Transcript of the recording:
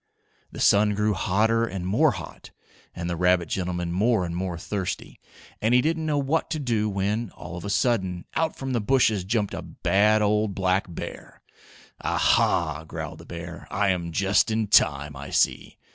The sun grew hotter and more hot, and the rabbit gentleman more and more thirsty, and he didn't know what to do when, all of a sudden, out from the bushes jumped a bad old black bear. "Ah, ha!" growled the bear. "I am just in time, I see!"